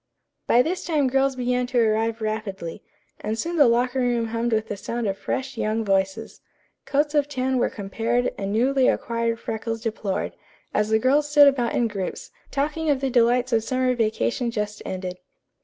By this time girls began to arrive rapidly, and soon the locker room hummed with the sound of fresh, young voices. Coats of tan were compared and newly acquired freckles deplored, as the girls stood about in groups, talking of the delights of the summer vacation just ended.